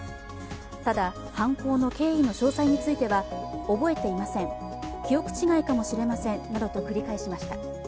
ただ、犯行の経緯の詳細については覚えていません、記憶違いかもしれませんなどと繰り返しました。